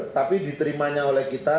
tapi diterimanya oleh kita